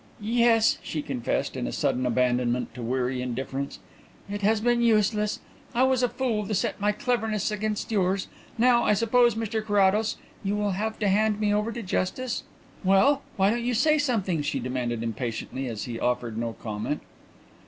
"Yes," she confessed, in a sudden abandonment to weary indifference, "it has been useless. I was a fool to set my cleverness against yours. Now, I suppose, Mr Carrados, you will have to hand me over to justice? "Well; why don't you say something?" she demanded impatiently, as he offered no comment.